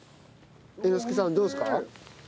猿之助さんどうですか？